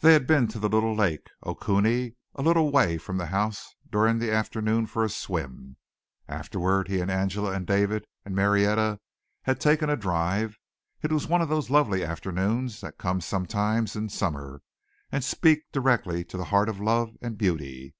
They had been to the little lake, Okoonee, a little way from the house during the afternoon for a swim. Afterward he and Angela and David and Marietta had taken a drive. It was one of those lovely afternoons that come sometimes in summer and speak direct to the heart of love and beauty.